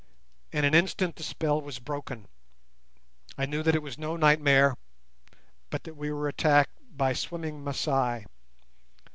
In an instant the spell was broken; I knew that it was no nightmare, but that we were attacked by swimming Masai.